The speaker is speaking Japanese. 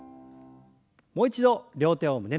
もう一度両手を胸の前に。